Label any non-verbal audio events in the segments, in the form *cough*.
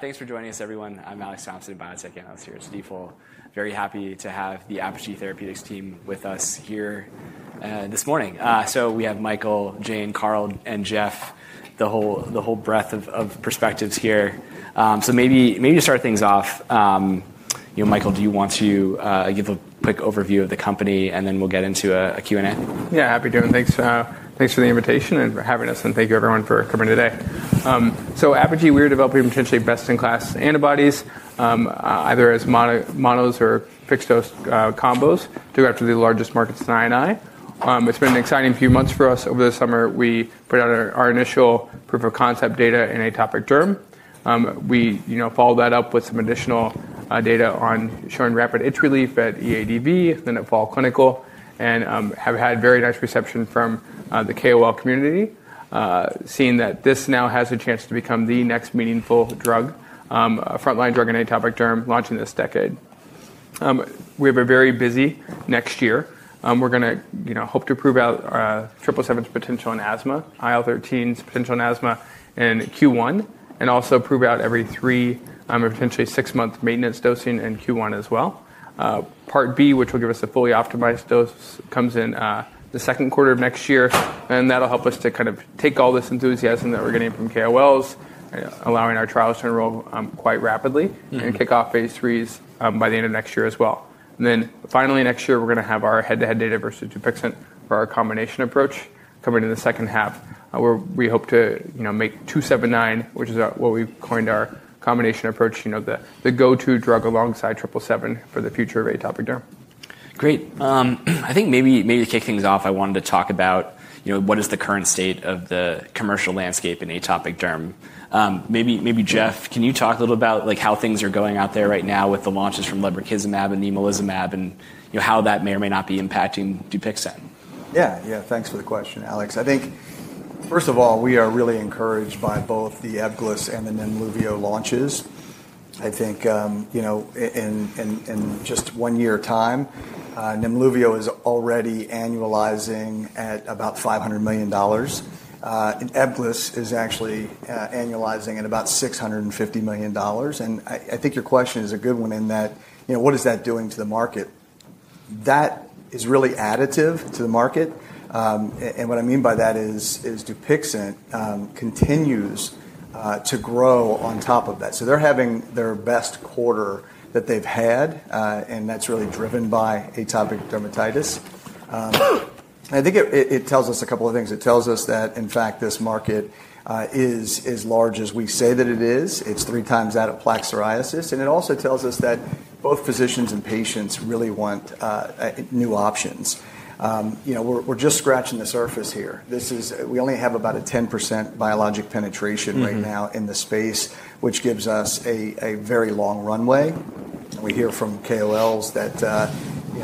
Thanks for joining us, everyone. I'm Alex Thomson, Biotech Analyst here at Stifel. Very happy to have the Apogee Therapeutics team with us here this morning. We have Michael, Jane, Carl, and Jeff, the whole breadth of perspectives here. Maybe to start things off, Michael, do you want to give a quick overview of the company, and then we'll get into a Q&A? Yeah, happy to. Thanks for the invitation and for having us, and thank you, everyone, for coming today. Apogee, we are developing potentially best-in-class antibodies, either as monos or fixed-dose combos to go out to the largest markets, 9i. It's been an exciting few months for us. Over the summer, we put out our initial proof-of-concept data in atopic derm. We followed that up with some additional data on showing rapid itch relief at EADV, then at fall clinical, and have had very nice reception from the KOL community, seeing that this now has a chance to become the next meaningful drug, frontline drug in atopic derm, launching this decade. We have a very busy next year. We're going to hope to prove out Triple 7's potential in asthma, IL-13's potential in asthma, in Q1, and also prove out every three and potentially six-month maintenance dosing in Q1 as well. Part B, which will give us a fully optimized dose, comes in the second quarter of next year, and that'll help us to kind of take all this enthusiasm that we're getting from KOLs, allowing our trials to enroll quite rapidly, and kick off phase IIIs by the end of next year as well. Finally, next year, we're going to have our head-to-head data versus Dupixent for our combination approach coming in the second half. We hope to make APG279, which is what we've coined our combination approach, the go-to drug alongside Triple 7 for the future of atopic derm. Great. I think maybe to kick things off, I wanted to talk about what is the current state of the commercial landscape in atopic derm. Maybe Jeff, can you talk a little about how things are going out there right now with the launches from lebrikizumab and nemolizumab, and how that may or may not be impacting Dupixent? Yeah, yeah, thanks for the question, Alex. I think, first of all, we are really encouraged by both the Ebglyss and the Nemluvio launches. I think in just one year's time, Nemluvio is already annualizing at about $500 million. Ebglyss is actually annualizing at about $650 million. I think your question is a good one in that, what is that doing to the market? That is really additive to the market. What I mean by that is Dupixent continues to grow on top of that. They're having their best quarter that they've had, and that's really driven by atopic dermatitis. I think it tells us a couple of things. It tells us that, in fact, this market is as large as we say that it is. It's three times that of plaque psoriasis. It also tells us that both physicians and patients really want new options. We're just scratching the surface here. We only have about a 10% biologic penetration right now in the space, which gives us a very long runway. We hear from KOLs that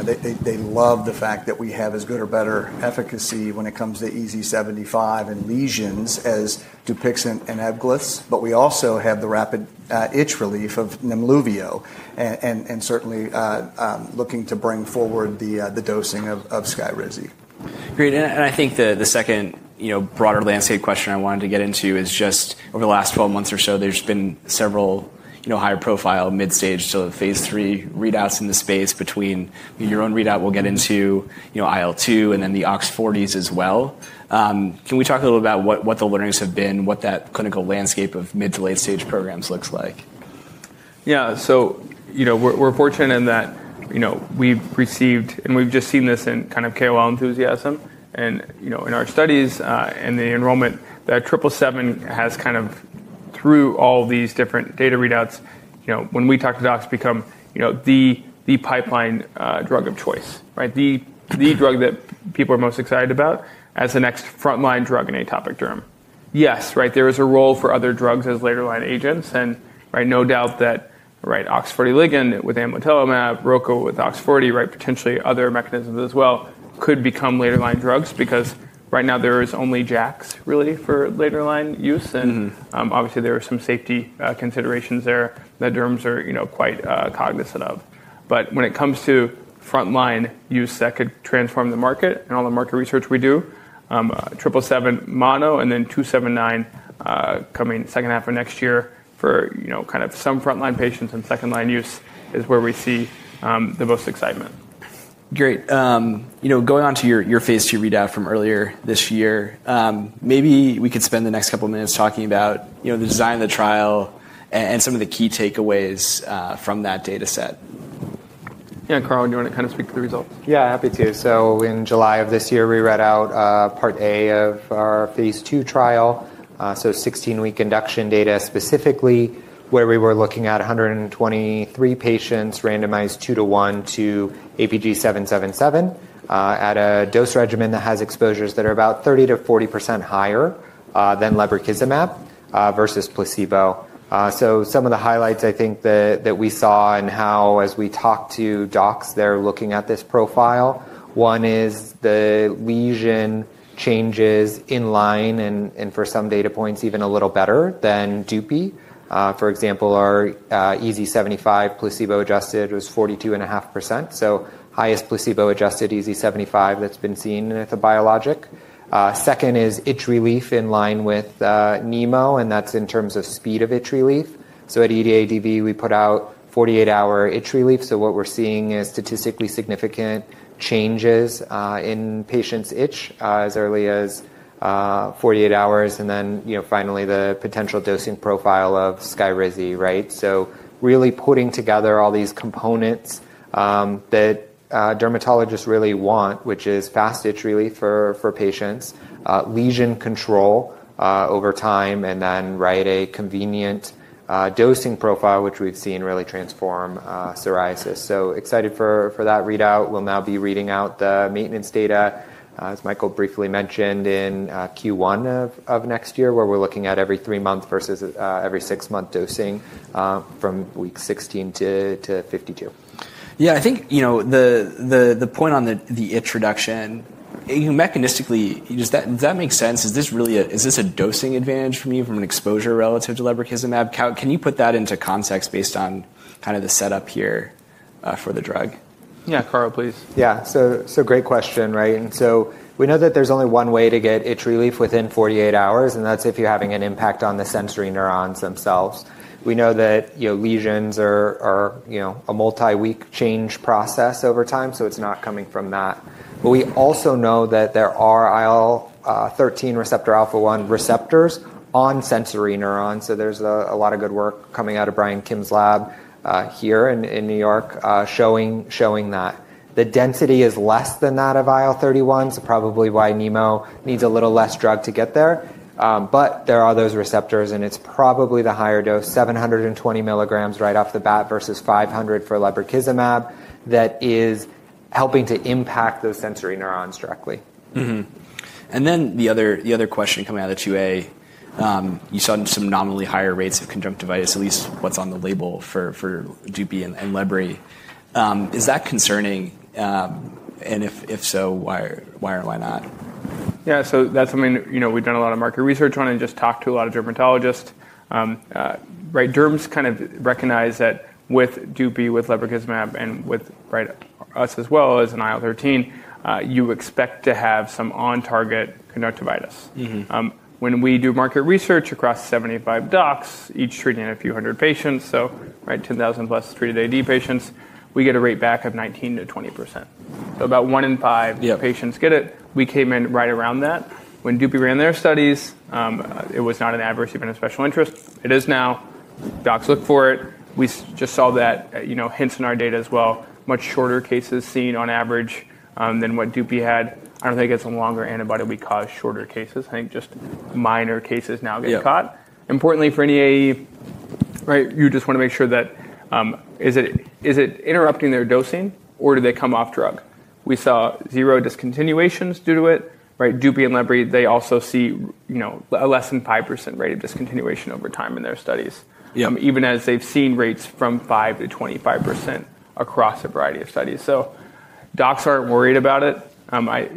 they love the fact that we have as good or better efficacy when it comes to EASI-75 and lesions as Dupixent and Ebglyss, but we also have the rapid itch relief of Nemluvio, and certainly looking to bring forward the dosing of Skyrizi. Great. I think the second broader landscape question I wanted to get into is just over the last 12 months or so, there's been several high-profile, mid-stage to phase III readouts in the space between your own readout we'll get into IL-2 and then the AUX40s as well. Can we talk a little about what the learnings have been, what that clinical landscape of mid to late-stage programs looks like? Yeah, so we're fortunate in that we've received, and we've just seen this in kind of KOL enthusiasm, and in our studies and the enrollment that Triple 7 has kind of through all these different data readouts, when we talk to docs, become the pipeline drug of choice, the drug that people are most excited about as the next frontline drug in atopic derm. Yes, there is a role for other drugs as later-line agents, and no doubt that OX40 ligand with amlitelimab, ROCO with OX40, potentially other mechanisms as well, could become later-line drugs because right now there is only JAKs really for later-line use, and obviously there are some safety considerations there that derms are quite cognizant of. When it comes to frontline use, that could transform the market and all the market research we do, Triple 7 mono and then APG279 coming second half of next year for kind of some frontline patients and second-line use is where we see the most excitement. Great. Going on to your phase II readout from earlier this year, maybe we could spend the next couple of minutes talking about the design of the trial and some of the key takeaways from that data set. Yeah, Carl, do you want to kind of speak to the results? Yeah, happy to. In July of this year, we read out part A of our phase II trial, 16-week induction data specifically, where we were looking at 123 patients randomized 2:1 to APG777 at a dose regimen that has exposures that are about 30%-40% higher than lebrikizumab versus placebo. Some of the highlights I think that we saw and how as we talk to docs, they are looking at this profile. One is the lesion changes in line and for some data points even a little better than Dupi. For example, our EASI-75 placebo-adjusted was 42.5%, so highest placebo-adjusted EASI-75 that has been seen with a biologic. Second is itch relief in line with Nimo, and that is in terms of speed of itch relief. At EADV, we put out 48-hour itch relief, so what we're seeing is statistically significant changes in patients' itch as early as 48 hours, and then finally the potential dosing profile of Skyrizi. Really putting together all these components that dermatologists really want, which is fast itch relief for patients, lesion control over time, and then a convenient dosing profile, which we've seen really transform psoriasis. Excited for that readout. We'll now be reading out the maintenance data, as Michael briefly mentioned, in Q1 of next year, where we're looking at every three months versus every six-month dosing from week 16 to 52. Yeah, I think the point on the itch reduction, mechanistically, does that make sense? Is this a dosing advantage for me from an exposure relative to lebrikizumab? Can you put that into context based on kind of the setup here for the drug? Yeah, Carl, please. Yeah, great question. We know that there's only one way to get itch relief within 48 hours, and that's if you're having an impact on the sensory neurons themselves. We know that lesions are a multi-week change process over time, so it's not coming from that. We also know that there are IL-13 receptor alpha-1 receptors on sensory neurons, so there's a lot of good work coming out of Brian Kim's lab here in New York showing that. The density is less than that of IL-31, so probably why Nimo needs a little less drug to get there. There are those receptors, and it's probably the higher dose, 720 milligrams right off the bat versus 500 for lebrikizumab, that is helping to impact those sensory neurons directly. The other question coming out of QA, you saw some nominally higher rates of conjunctivitis, at least what's on the label for Dupixent and lebrikizumak. Is that concerning? And if so, why or why not? Yeah, so that's something we've done a lot of market research on and just talked to a lot of dermatologists. Derms kind of recognize that with Dupi, with lebrikizumab, and with us as well as an IL-13, you expect to have some on-target conjunctivitis. When we do market research across 75 docs, each treating a few hundred patients, so 10,000 plus treated AD patients, we get a rate back of 19%-20%. So about one in five patients get it. We came in right around that. When Dupi ran their studies, it was not an adverse event of special interest. It is now. Docs look for it. We just saw that hints in our data as well. Much shorter cases seen on average than what Dupi had. I don't think it's a longer antibody; we cause shorter cases. I think just minor cases now get caught. Importantly for any AE, you just want to make sure that is it interrupting their dosing, or do they come off drug? We saw zero discontinuations due to it. Dupi and lebri, they also see a less than 5% rate of discontinuation over time in their studies, even as they've seen rates from 5%-25% across a variety of studies. Docs aren't worried about it.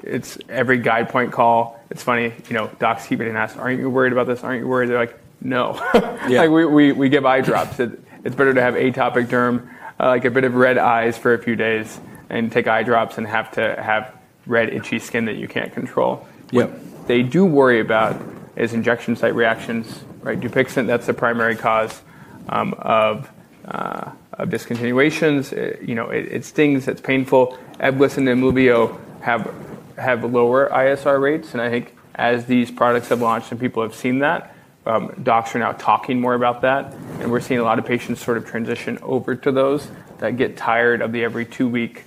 It's every guide point call. It's funny, docs keep getting asked, "Aren't you worried about this? Aren't you worried?" They're like, "No." We give eye drops. It's better to have atopic derm, like a bit of red eyes for a few days, and take eye drops and have to have red itchy skin that you can't control. What they do worry about is injection site reactions. Dupixent, that's the primary cause of discontinuations. It stings, it's painful. Ebglyss and Nemluvio have lower ISR rates, and I think as these products have launched and people have seen that, docs are now talking more about that, and we're seeing a lot of patients sort of transition over to those that get tired of the every two-week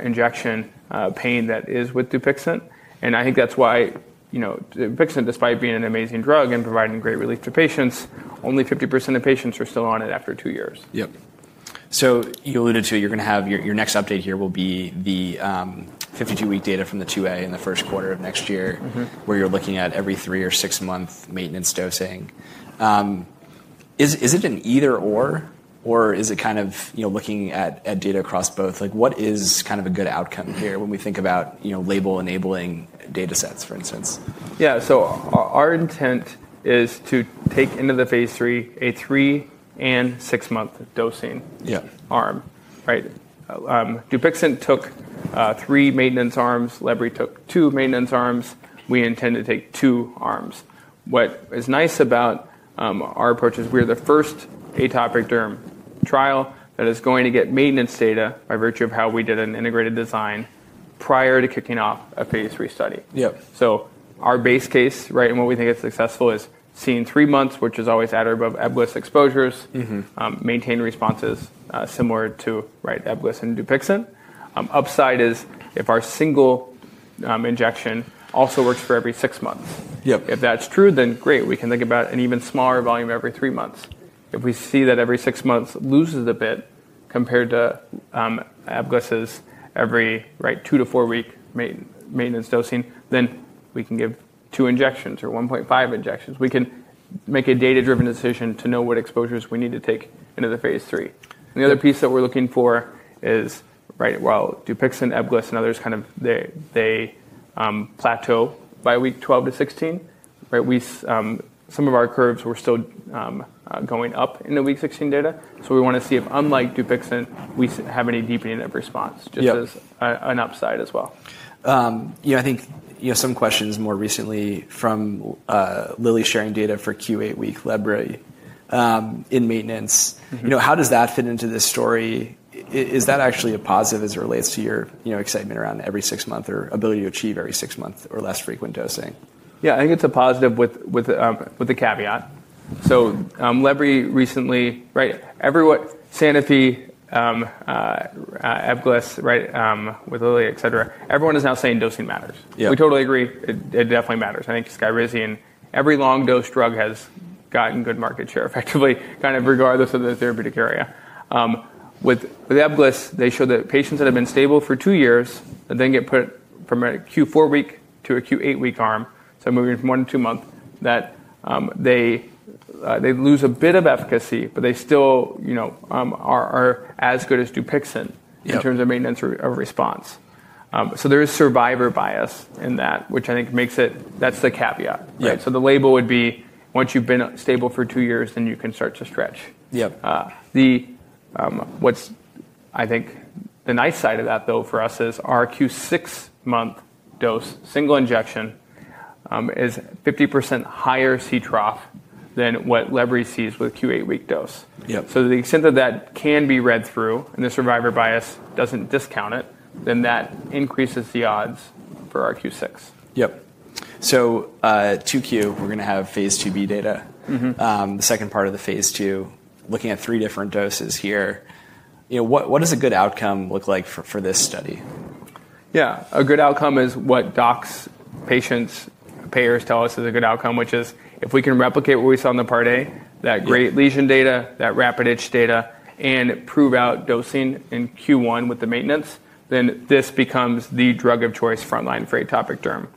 injection pain that is with Dupixent. I think that's why Dupixent, despite being an amazing drug and providing great relief to patients, only 50% of patients are still on it after two years. Yep. So you alluded to it, you're going to have your next update here will be the 52-week data from the QA in the first quarter of next year, where you're looking at every three or six-month maintenance dosing. Is it an either/or, or is it kind of looking at data across both? What is kind of a good outcome here when we think about label-enabling data sets, for instance? Yeah, so our intent is to take into the phase III a three and six-month dosing arm. Dupixent took three maintenance arms, Ebglyss took two maintenance arms. We intend to take two arms. What is nice about our approach is we're the first atopic derm trial that is going to get maintenance data by virtue of how we did an integrated design prior to kicking off a phase III study. So our base case and what we think is successful is seeing three months, which is always at or above Ebglyss exposures, maintained responses similar to Ebglyss and Dupixent. Upside is if our single injection also works for every six months. If that's true, then great, we can think about an even smaller volume every three months. If we see that every six months loses a bit compared to Ebglyss's every two- to four-week maintenance dosing, then we can give two injections or 1.5 injections. We can make a data-driven decision to know what exposures we need to take into the phase III. The other piece that we're looking for is while Dupixent, Ebglyss, and others kind of plateau by week 12 to 16, some of our curves were still going up in the week 16 data, so we want to see if, unlike Dupixent, we have any deepening of response, just as an upside as well. I think some questions more recently from Lilly sharing data for Q8 week lebri in maintenance. How does that fit into this story? Is that actually a positive as it relates to your excitement around every six month or ability to achieve every six month or less frequent dosing? Yeah, I think it's a positive with the caveat. So lebrikizumab recently, everyone, Sanofi, Ebglyss, with Lilly, etc., everyone is now saying dosing matters. We totally agree. It definitely matters. I think Skyrizi, and every long-dose drug has gotten good market share effectively, kind of regardless of the therapeutic area. With Ebglyss, they show that patients that have been stable for two years and then get put from a Q4 week to a Q8 week arm, so moving from one to two months, that they lose a bit of efficacy, but they still are as good as Dupixent in terms of maintenance of response. There is survivor bias in that, which I think makes it, that's the caveat. The label would be once you've been stable for two years, then you can start to stretch. What I think the nice side of that though for us is our Q6 month dose, single injection, is 50% higher C trough than what lebri sees with a Q8 week dose. To the extent that that can be read through and the survivor bias does not discount it, then that increases the odds for our Q6. Yep. Q2, we're going to have phase II-B data, the second part of the phase II, looking at three different doses here. What does a good outcome look like for this study? Yeah, a good outcome is what docs, patients, payers tell us is a good outcome, which is if we can replicate what we saw in the part A, that great lesion data, that rapid itch data, and prove out dosing in Q1 with the maintenance, then this becomes the drug of choice frontline for atopic derm.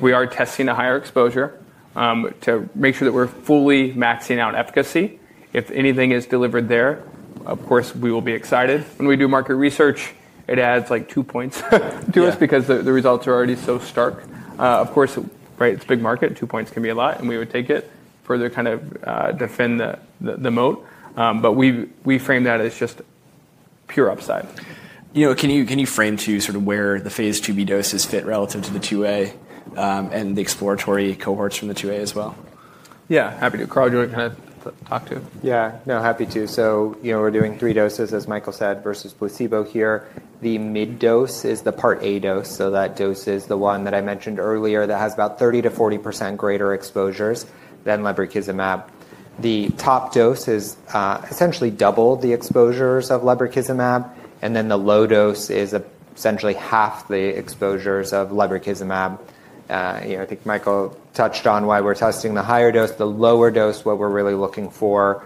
We are testing a higher exposure to make sure that we're fully maxing out efficacy. If anything is delivered there, of course, we will be excited. When we do market research, it adds like two points to us because the results are already so stark. Of course, it's a big market, two points can be a lot, and we would take it further to kind of defend the moat, but we frame that as just pure upside. Can you frame too, sort of, where the phase II-B doses fit relative to the QA and the exploratory cohorts from the QA as well? Yeah, happy to. Carl, do you want to kind of talk too? Yeah, no, happy to. We're doing three doses, as Michael said, versus placebo here. The mid dose is the part A dose, so that dose is the one that I mentioned earlier that has about 30%-40% greater exposures than lebrikizumab. The top dose is essentially double the exposures of lebrikizumab, and then the low dose is essentially half the exposures of lebrikizumab. I think Michael touched on why we're testing the higher dose. The lower dose, what we're really looking for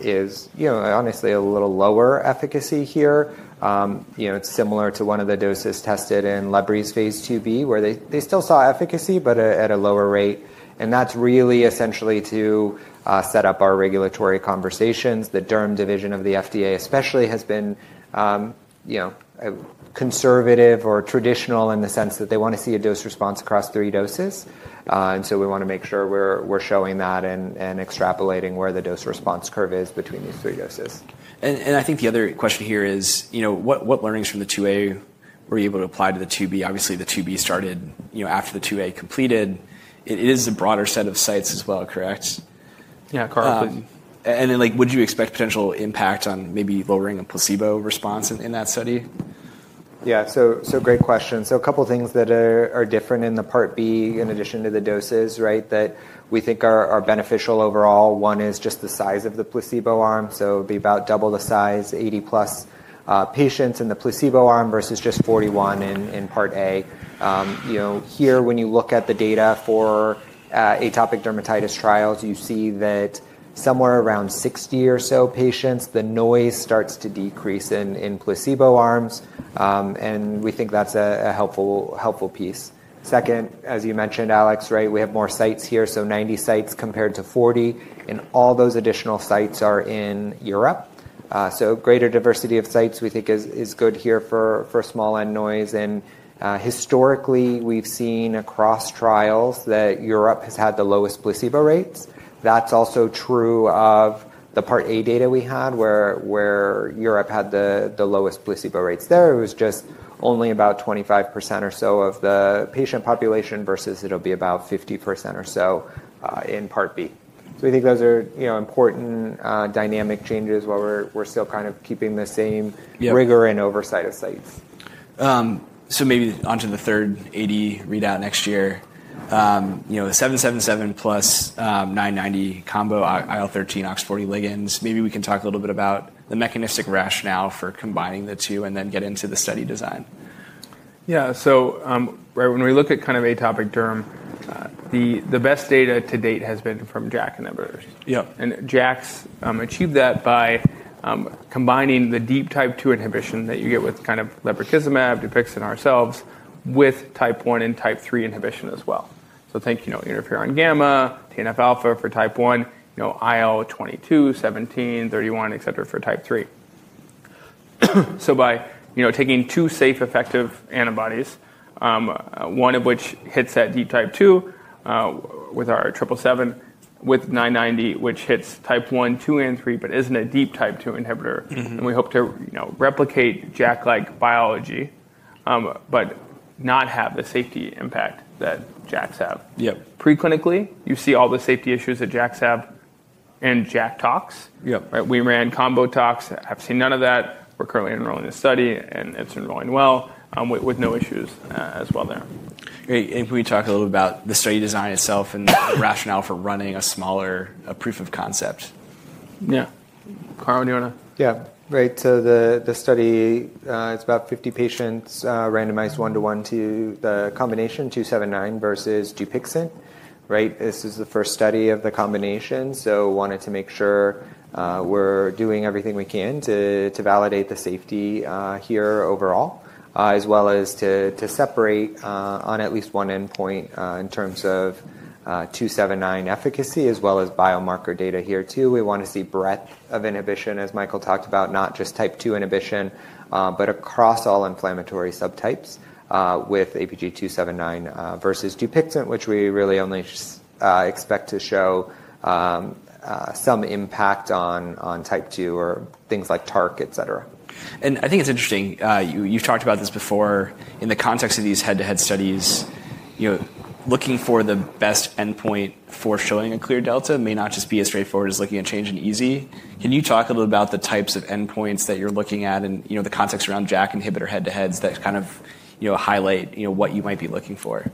is honestly a little lower efficacy here. It's similar to one of the doses tested in lebrikizumab's phase II-B, where they still saw efficacy, but at a lower rate. That's really essentially to set up our regulatory conversations. The derm division of the FDA especially has been conservative or traditional in the sense that they want to see a dose response across three doses. We want to make sure we're showing that and extrapolating where the dose response curve is between these three doses. I think the other question here is, what learnings from the QA were you able to apply to the QB? Obviously, the QB started after the QA completed. It is a broader set of sites as well, correct? Yeah, Carl, please. Would you expect potential impact on maybe lowering a placebo response in that study? Yeah, so great question. So a couple of things that are different in the part B in addition to the doses that we think are beneficial overall. One is just the size of the placebo arm. It would be about double the size, 80-plus patients in the placebo arm versus just 41 in part A. Here, when you look at the data for atopic dermatitis trials, you see that somewhere around 60 or so patients, the noise starts to decrease in placebo arms, and we think that's a helpful piece. Second, as you mentioned, Alex, we have more sites here, 90 sites compared to 40, and all those additional sites are in Europe. Greater diversity of sites, we think, is good here for small end noise. Historically, we've seen across trials that Europe has had the lowest placebo rates. That's also true of the part A data we had, where Europe had the lowest placebo rates. There was just only about 25% or so of the patient population versus it'll be about 50% or so in part B. We think those are important dynamic changes while we're still kind of keeping the same rigor and oversight of sites. Maybe onto the third AD readout next year, 777 plus 990 combo, IL-13, OX40 ligands. Maybe we can talk a little bit about the mechanistic rationale for combining the two and then get into the study design. Yeah, so when we look at kind of atopic derm, the best data to date has been from JAK and. *inaudible* And JAK's achieved that by combining the deep type II inhibition that you get with kind of lebrikizumab, Dupixent, and ourselves with type I and type III inhibition as well. Think interferon gamma, TNF alpha for type I, IL-22, 17, 31, etc., for type III. By taking two safe, effective antibodies, one of which hits that deep type II with our triple seven with 990, which hits type I, II, and III, but is not a deep type II inhibitor. We hope to replicate JAK-like biology, but not have the safety impact that JAKs have. Pre-clinically, you see all the safety issues that JAKs have and JAK tox. We ran combo tox. I have seen none of that. We're currently enrolling in the study, and it's enrolling well with no issues as well there. If we talk a little about the study design itself and the rationale for running a smaller proof of concept. Yeah. Carl, do you want to? Yeah, right. The study, it's about 50 patients randomized one-to-one to the combination APG279 versus Dupixent. This is the first study of the combination, so we wanted to make sure we're doing everything we can to validate the safety here overall, as well as to separate on at least one endpoint in terms of APG279 efficacy, as well as biomarker data here too. We want to see breadth of inhibition, as Michael talked about, not just type II inhibition, but across all inflammatory subtypes with APGAPG279 versus Dupixent, which we really only expect to show some impact on type II or things like TARC, etc. I think it's interesting. You've talked about this before. In the context of these head-to-head studies, looking for the best endpoint for showing a clear delta may not just be as straightforward as looking at change in EASI. Can you talk a little about the types of endpoints that you're looking at and the context around JAK inhibitor head-to-heads that kind of highlight what you might be looking for?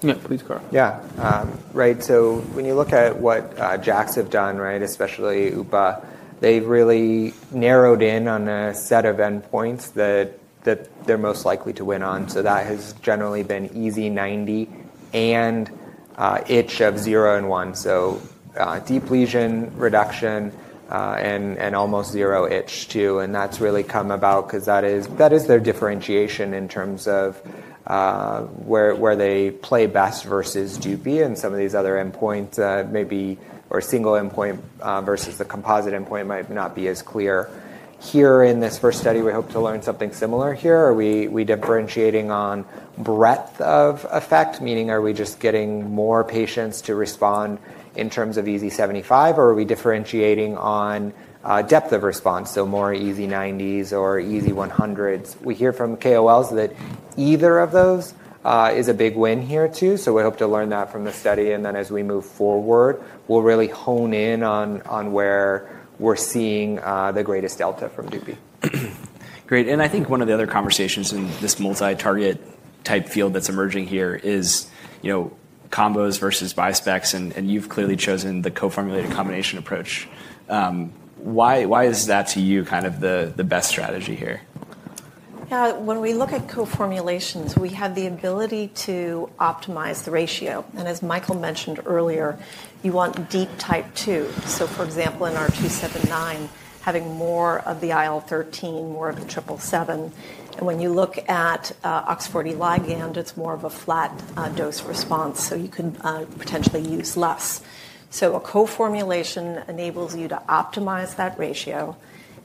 Yeah, please, Carl. Yeah. Right. So when you look at what JAKs have done, especially UPA, they've really narrowed in on a set of endpoints that they're most likely to win on. That has generally been EASI-90 and itch of zero and one. Deep lesion reduction and almost zero itch too. That has really come about because that is their differentiation in terms of where they play best versus Dupi, and some of these other endpoints maybe or single endpoint versus the composite endpoint might not be as clear. Here in this first study, we hope to learn something similar here. Are we differentiating on breadth of effect, meaning are we just getting more patients to respond in terms of EASI-75, or are we differentiating on depth of response, so more EASI-90s or EASI-100s? We hear from KOLs that either of those is a big win here too. We hope to learn that from the study. As we move forward, we'll really hone in on where we're seeing the greatest delta from Dupi. Great. I think one of the other conversations in this multi-target type field that's emerging here is combos versus bispecs, and you've clearly chosen the co-formulated combination approach. Why is that to you kind of the best strategy here? Yeah, when we look at co-formulations, we have the ability to optimize the ratio. And as Michael mentioned earlier, you want deep type II. For example, in our APG279, having more of the IL-13, more of the triple seven. When you look at OX40 ligand, it's more of a flat dose response, so you can potentially use less. A co-formulation enables you to optimize that ratio.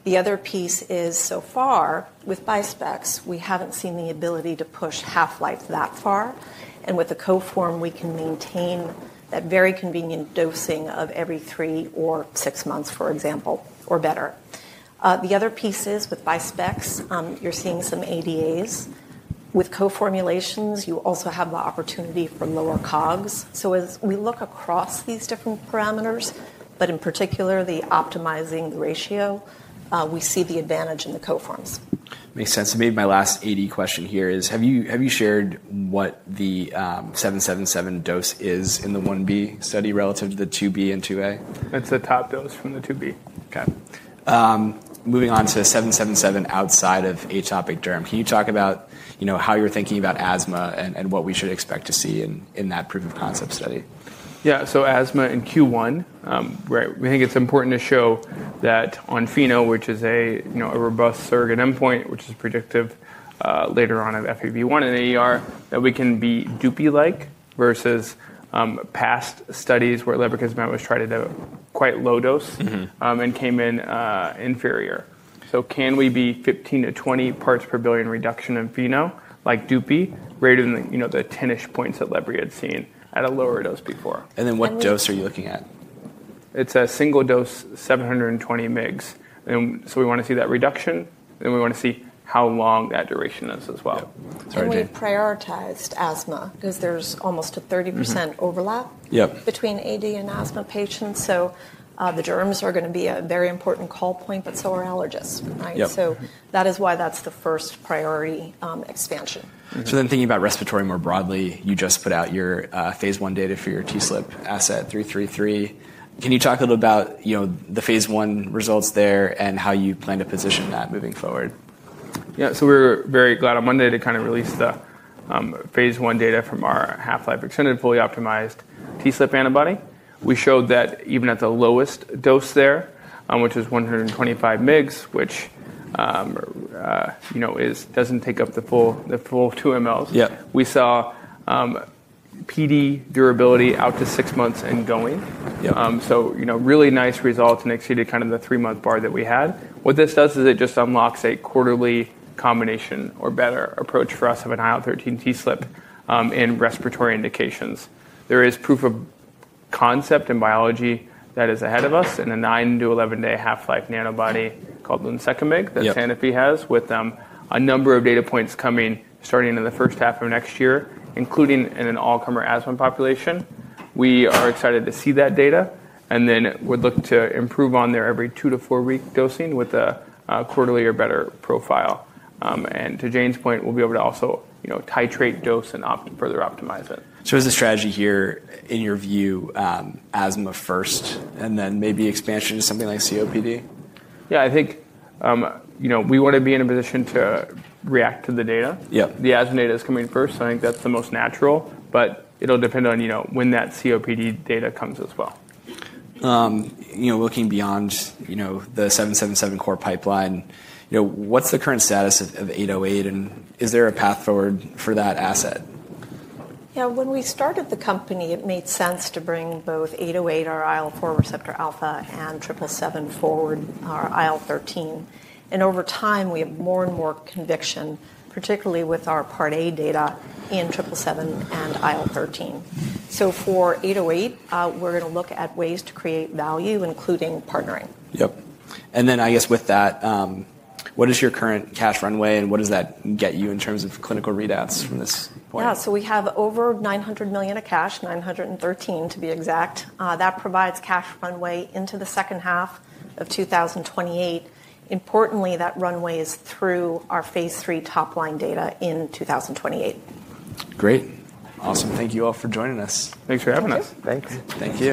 The other piece is so far with bispecs, we haven't seen the ability to push half-life that far. With the co-form, we can maintain that very convenient dosing of every three or six months, for example, or better. The other piece is with bispecs, you're seeing some ADAs. With co-formulations, you also have the opportunity for lower COGS. As we look across these different parameters, but in particular, the optimizing ratio, we see the advantage in the co-forms. Makes sense. Maybe my last AD question here is, have you shared what the 777 dose is in the 1B study relative to the 2B and 2A? It's the top dose from the 2B. Okay. Moving on to 777 outside of atopic derm, can you talk about how you're thinking about asthma and what we should expect to see in that proof of concept study? Yeah, so asthma in Q1, we think it's important to show that on FeNO, which is a robust surrogate endpoint, which is predictive later on of FEV1 in that we can be Dupi-like versus past studies where lebrikizumab was tried at a quite low dose and came in inferior. Can we be 15-20 parts per billion reduction of FeNO like Dupi, greater than the 10-ish points that lebrikizumab had seen at a lower dose before? What dose are you looking at? It's a single dose, 720 mg. We want to see that reduction, and we want to see how long that duration is as well. We prioritized asthma because there's almost a 30% overlap between AD and asthma patients. The derms are going to be a very important call point, but so are allergists. That is why that's the first priority expansion. Then thinking about respiratory more broadly, you just put out your phase I data for your TSLP asset 333. Can you talk a little about the phase I results there and how you plan to position that moving forward? Yeah, so we're very glad on Monday to kind of release the phase I data from our half-life extended fully optimized TSLP antibody. We showed that even at the lowest dose there, which is 125 mg, which doesn't take up the full 2 mL, we saw PD durability out to six months and going. Really nice results and exceeded kind of the three-month bar that we had. What this does is it just unlocks a quarterly combination or better approach for us of an IL-13 TSLP in respiratory indications. There is proof of concept in biology that is ahead of us in a 9-11 day half-life nanobody called Lunsekimig that Sanofi has with a number of data points coming starting in the first half of next year, including in an all-comer asthma population. We are excited to see that data, and then we'd look to improve on their every two to four-week dosing with a quarterly or better profile. To Jane's point, we'll be able to also titrate dose and further optimize it. Is the strategy here, in your view, asthma first and then maybe expansion to something like COPD? Yeah, I think we want to be in a position to react to the data. The asthma data is coming first, so I think that's the most natural, but it'll depend on when that COPD data comes as well. Looking beyond the 777 core pipeline, what's the current status of 808, and is there a path forward for that asset? Yeah, when we started the company, it made sense to bring both 808, our IL-4 receptor alpha, and triple seven forward, our IL-13. Over time, we have more and more conviction, particularly with our part A data in triple seven and IL-13. For 808, we're going to look at ways to create value, including partnering. Yep. And then I guess with that, what is your current cash runway, and what does that get you in terms of clinical readouts from this point? Yeah, so we have over $900 million of cash, $913 million to be exact. That provides cash runway into the second half of 2028. Importantly, that runway is through our phase III top line data in 2028. Great. Awesome. Thank you all for joining us. Thanks for having us. Thanks. Thanks.